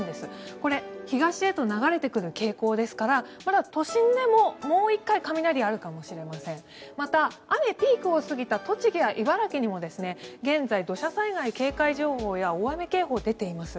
これ、東へと流れてくる傾向ですからまだ都心でももう１回雷があるかもしれませんまた、雨のピークを過ぎた栃木や茨城にも現在、土砂災害警戒情報や大雨警報が出ています。